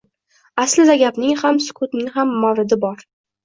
Aslida gapning ham, sukutning ham mavridi bor.